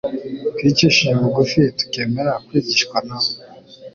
twicishije bugufi, tukemera kwigishwa na we.